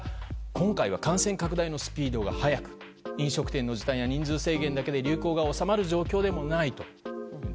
今回は感染拡大のスピードが速く飲食店の時短や人数制限だけで流行が収まる状況じゃないと。